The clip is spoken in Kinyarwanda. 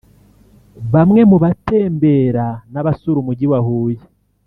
Bamwe mu batembera n’abasura umujyi wa Huye